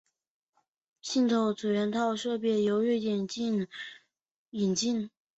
系统全套设备由瑞士引进。